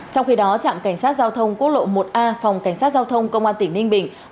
trong khi đó trạm cảnh sát giao thông quốc lộ một a phòng cảnh sát giao thông công an tỉnh ninh bình